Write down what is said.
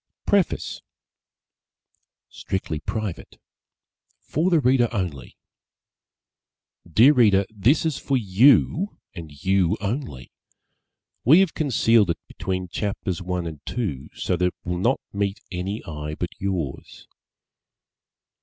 _ PREFACE STRICTLY PRIVATE For the Reader Only DEAR READER: This is for you, and you only. We have concealed it between chapters one and two so that it will not meet any eye but yours.